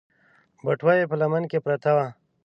بټوه يې په لمن کې پرته وه.